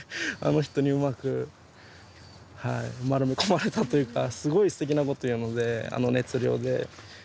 あの人にうまく丸め込まれたというかすごいすてきなことを言うのであの熱量で。